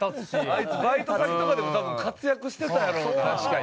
あいつバイト先とかでも多分活躍してたやろうな。